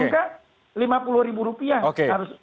lima puluh ribu rupiah harusnya oke